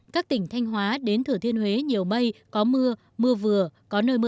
các tỉnh thanh hóa đến thử thiên huế nhiều mây có mưa mưa vừa có nơi mưa